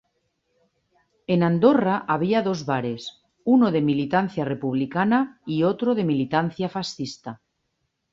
En Andorra había dos bares, uno de militancia republicana y otro de militancia fascista.